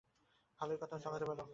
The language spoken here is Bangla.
ভালোই কথা চালাতে পারো।